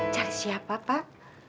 cari siapa pak